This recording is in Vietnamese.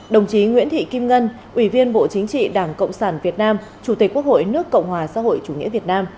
đồng chí nguyễn thị kim ngân ủy viên bộ chính trị đảng cộng sản việt nam chủ tịch quốc hội nước cộng hòa xã hội chủ nghĩa việt nam